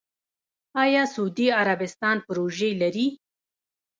آیا سعودي عربستان پروژې لري؟